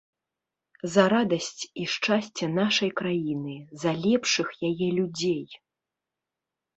За радасць і шчасце нашай краіны, за лепшых яе людзей.